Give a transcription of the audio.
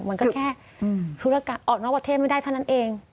มันก็แค่ออกมาวัดเทพไม่ได้เท่านั้นเอง